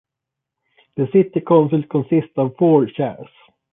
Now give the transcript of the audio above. The city council consists of four chairs.